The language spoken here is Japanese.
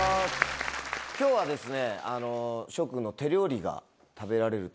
今日はですね。